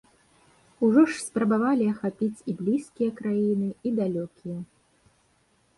Ужо ж спрабавалі ахапіць і блізкія краіны, і далёкія.